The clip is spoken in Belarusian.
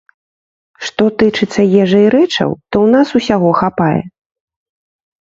Што тычыцца ежы і рэчаў, то ў нас усяго хапае.